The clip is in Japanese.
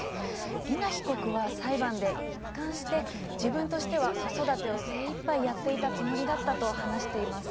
莉菜被告は裁判で一環して自分としては子育てを精いっぱいやっていたつもりだったと話しています。